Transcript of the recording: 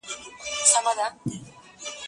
زه پرون مينه څرګندوم وم،